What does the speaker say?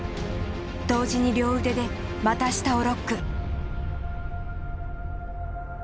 同時に両腕で股下をロック。